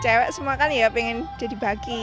kalau cewek semua kan ya pengen jadi baki